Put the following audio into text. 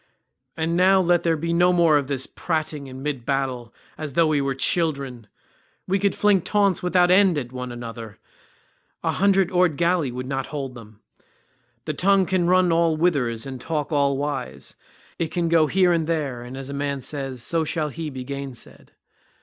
And now let there be no more of this prating in mid battle as though we were children. We could fling taunts without end at one another; a hundred oared galley would not hold them. The tongue can run all whithers and talk all wise; it can go here and there, and as a man says, so shall he be gainsaid.